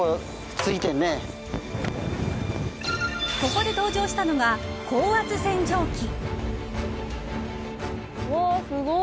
ここで登場したのが高圧洗浄機。